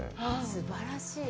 すばらしい。